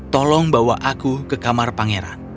tolong bawa aku ke kamar pangeran